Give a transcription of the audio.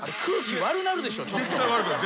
絶対悪くなる。